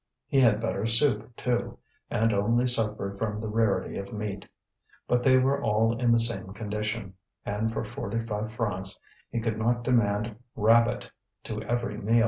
He had better soup, too, and only suffered from the rarity of meat. But they were all in the same condition, and for forty five francs he could not demand rabbit to every meal.